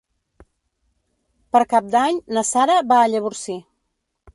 Per Cap d'Any na Sara va a Llavorsí.